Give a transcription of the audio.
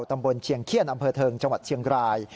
ตำบลเชียงเขี้ยนอำเภอเทิงจังหวัดเชียงราย